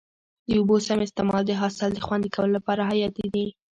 د اوبو سم استعمال د حاصل د خوندي کولو لپاره حیاتي دی.